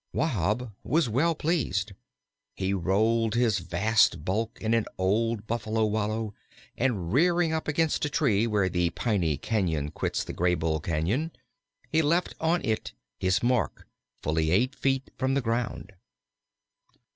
Wahb was well pleased. He rolled his vast bulk in an old Buffalo wallow, and rearing up against a tree where the Piney Cañon quits the Graybull Cañon, he left on it his mark fully eight feet from the ground.